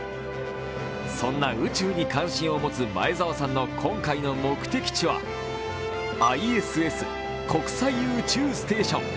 そんな宇宙に関心を持つ前澤さんの今回の目的地はＩＳＳ＝国際宇宙ステーション。